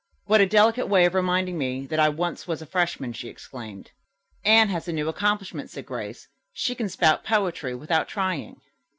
"What a delicate way of reminding me that I once was a freshman!" she exclaimed. "Anne has a new accomplishment," said Grace. "She can spout poetry without trying."